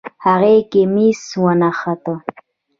هغې کميس ونغښتۀ